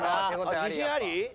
自信あり？